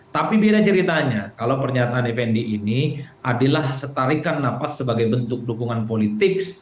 tapi beda ceritanya kalau pernyataan effendi ini adalah setarikan nafas sebagai bentuk dukungan politik